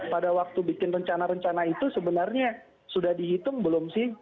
pada waktu bikin rencana rencana itu sebenarnya sudah dihitung belum sih